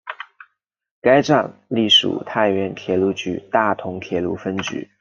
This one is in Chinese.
该站隶属太原铁路局大同铁路分局。